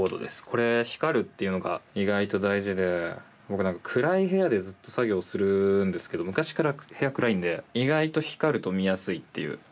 これ光るっていうのが意外と大事で僕何か暗い部屋でずっと作業するんですけど昔から部屋暗いんで意外と光ると見やすいっていう。